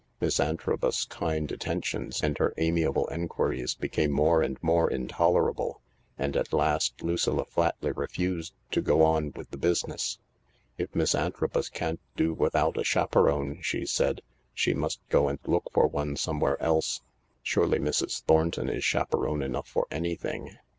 Miss Antrobus's kind attentions and her amiable enquiries became more and more intolerable, and at last Lucilla flatly refused to go on with the business. " If Miss Antrobus can't do without a chaperone," she said, " she must go and look for one somewhere else. Surely Mrs. Thornton is chaperone enough for anything